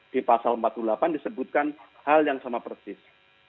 di pasal empat puluh delapan disebutkan hal yang sama persis